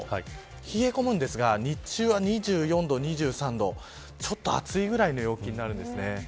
冷え込むんですが日中は２４度、２３度少し暑いぐらいの陽気です。